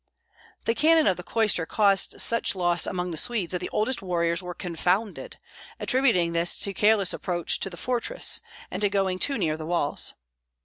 The cannon of the cloister caused such loss among the Swedes that the oldest warriors were confounded, attributing this to careless approach to the fortress, and to going too near the walls.